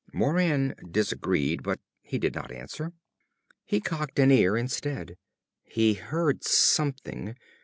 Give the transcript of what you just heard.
Moran disagreed, but he did not answer. He cocked an ear instead. He heard something.